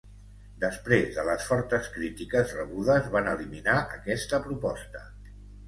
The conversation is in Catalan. Després de les fortes crítiques rebudes, van eliminar aquesta proposta.